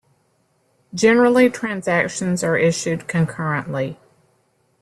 Generally, transactions are issued concurrently.